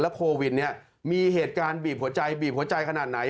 โควิดเนี่ยมีเหตุการณ์บีบหัวใจบีบหัวใจขนาดไหน